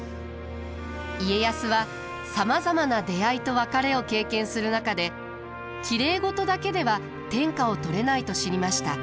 家康はさまざまな出会いと別れを経験する中できれい事だけでは天下を取れないと知りました。